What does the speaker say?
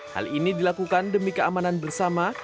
hal ini dilakukan demi keamanan bersama